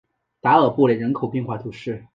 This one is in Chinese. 达尔布雷人口变化图示